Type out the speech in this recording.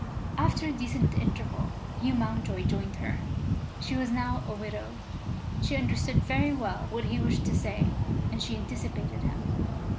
After a decent interval, Hugh Mountjoy joined her. She was now a widow. She understood very well what he wished to say, and she anticipated him.